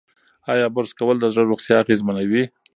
ایا برس کول د زړه روغتیا اغېزمنوي؟